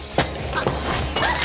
あっ！